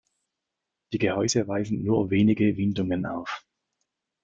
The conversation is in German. Die Gehäuse weisen nur wenige Windungen auf.